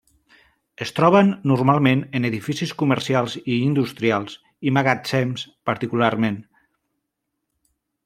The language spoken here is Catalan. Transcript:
Es troben normalment en edificis comercials i industrials, i magatzems particularment.